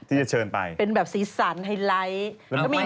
ที่จะเชิญไปเป็นแบบสีสันไฮไลท์